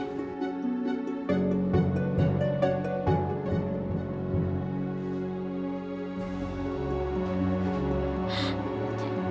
itu dia yang pasangnya